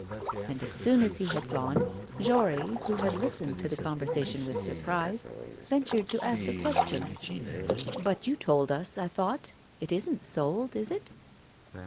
As soon as he had gone, Jory, who had listened to the conversation with surprise, ventured to ask a question: 'But you told us, I thought It isn't sold, is it?